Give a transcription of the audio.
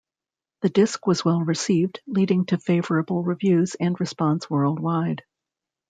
The disc was well received, leading to favorable reviews and response worldwide.